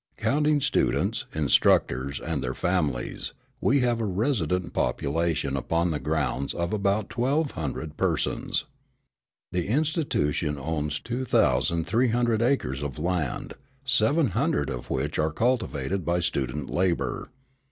Counting students, instructors, and their families, we have a resident population upon the school grounds of about twelve hundred persons. The institution owns two thousand three hundred acres of land, seven hundred of which are cultivated by student labor.